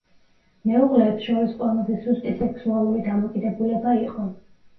მეუღლეებს შორის ყველაზე სუსტი სექსუალური დამოკიდებულება იყო.